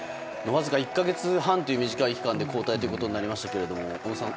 わずか１か月半という短い期間で交代ということになりましたが小野さん